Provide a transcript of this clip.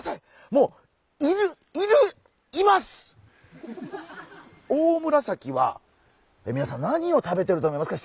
もうオオムラサキはみなさん何を食べてると思いますか？